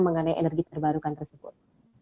mengalihkan energi terbarukan tersebut